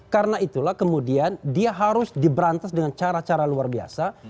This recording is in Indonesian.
karena itulah kemudian dia harus diberantas dengan cara cara luar biasa